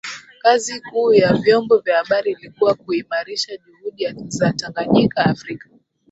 kazi kuu ya vyombo vya habari ilikuwa kuimarisha juhudi za Tanganyika Afrika